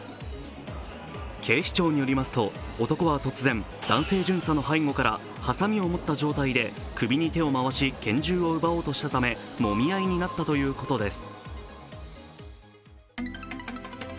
警視庁によりますと男は突然、男性巡査の背後からはさみを持った状態で首に手を回し、拳銃を奪おうとしたため、もみ合いになったということです。